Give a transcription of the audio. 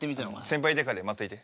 先輩デカで待っていて。